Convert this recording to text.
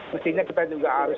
mestinya kita juga harus